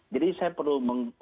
jadi saya perlu